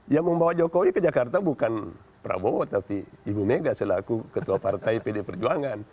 yang membawa jokowi ke jakarta bukan prabowo tapi ibu mega selaku ketua partai pd perjuangan